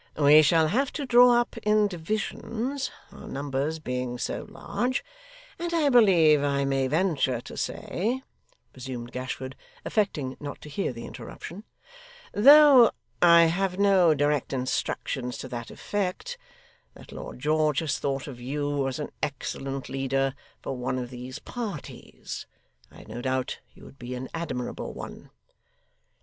'We shall have to draw up in divisions, our numbers being so large; and, I believe I may venture to say,' resumed Gashford, affecting not to hear the interruption, 'though I have no direct instructions to that effect that Lord George has thought of you as an excellent leader for one of these parties. I have no doubt you would be an admirable one.